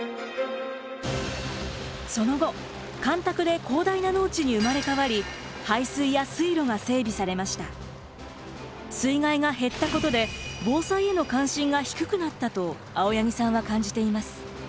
その後干拓で広大な農地に生まれ変わり水害が減ったことで防災への関心が低くなったと青柳さんは感じています。